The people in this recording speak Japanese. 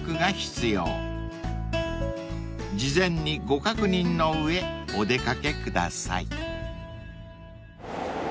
［事前にご確認の上お出掛けください］